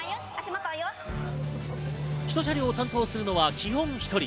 １車両を担当するのは基本１人。